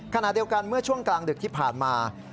ขณะเดียวกันเมื่อช่วงกลางดึกที่ผ่านมา